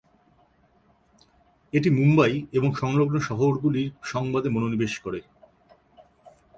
এটি মুম্বই এবং সংলগ্ন শহরগুলির সংবাদে মনোনিবেশ করে।